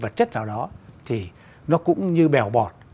vật chất nào đó thì nó cũng như bèo bọt